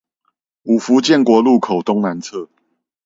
五福建國路口東南側